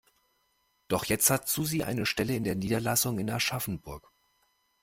Doch jetzt hat Susi eine Stelle in der Niederlassung in Aschaffenburg.